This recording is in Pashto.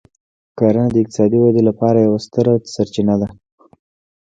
کرنه د اقتصادي ودې لپاره یوه ستره سرچینه ده.